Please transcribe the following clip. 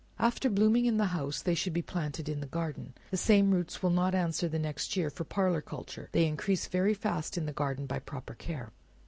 After blooming in the house, they should be planted in the garden. The same roots will not answer the next year for parlor culture, they increase very fast in the garden by proper care.